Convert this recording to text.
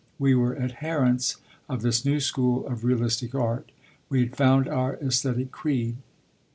We were adherents of this new school of realistic art: we had found our æsthetic creed.'